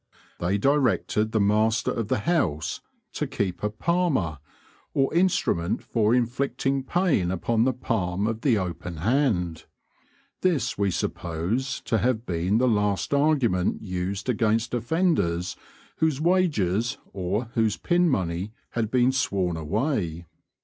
They directed the master of the house to keep a "palmer," or instrument for inflicting pain upon the palm of the open hand. This we suppose to have been the last argument used against offenders whose wages or whose pin money had been sworn away.